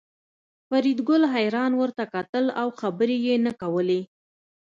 فریدګل حیران ورته کتل او خبرې یې نه کولې